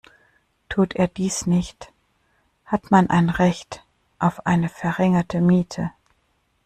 Tut er dies nicht, hat man ein Recht auf eine verringerte Miete.